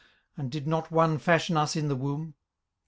and did not one fashion us in the womb?